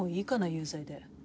有罪で。